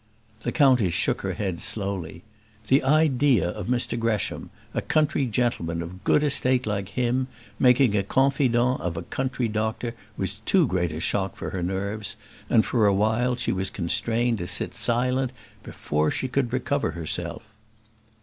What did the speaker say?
The countess shook her head slowly; the idea of Mr Gresham, a country gentleman of good estate like him, making a confidant of a country doctor was too great a shock for her nerves; and for a while she was constrained to sit silent before she could recover herself.